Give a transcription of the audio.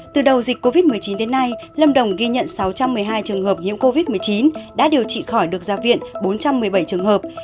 từ đầu dịch covid một mươi chín đến nay lâm đồng ghi nhận sáu trăm một mươi hai trường hợp nhiễm covid một mươi chín đã điều trị khỏi được ra viện bốn trăm một mươi bảy trường hợp